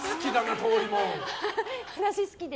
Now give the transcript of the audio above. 私、好きで。